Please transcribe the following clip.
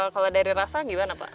kalau dari rasa gimana pak